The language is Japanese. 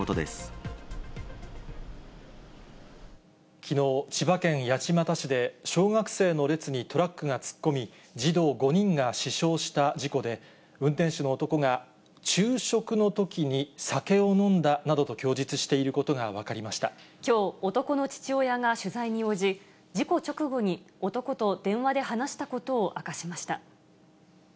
きのう、千葉県八街市で小学生の列にトラックが突っ込み、児童５人が死傷した事故で、運転手の男が昼食のときに酒を飲んだなどと供述していることが分きょう、男の父親が取材に応じ、事故直後に、男と電話で話したことを明かしました。